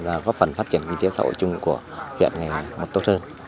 và có phần phát triển kinh tế xã hội chung của huyện ngày hài một tốt hơn